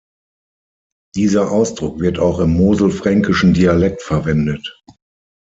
Dieser Ausdruck wird auch im moselfränkischen Dialekt verwendet.